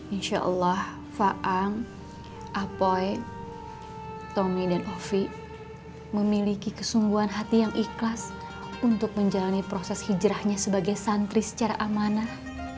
insya allah faang apoy tommy dan ovi memiliki kesungguhan hati yang ikhlas untuk menjalani proses hijrahnya sebagai santri secara amanah